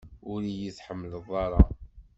Ur iyi-tḥemmleḍ ara.